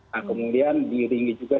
nah kemudian diiringi juga